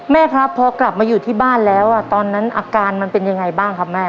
แม่ครับพอกลับมาอยู่ที่บ้านแล้วตอนนั้นอาการมันเป็นยังไงบ้างครับแม่